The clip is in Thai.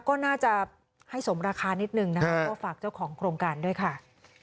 ก็น่าจะให้สมราคานิดนึงนะคะก็ฝากเจ้าของโครงการด้วยค่ะ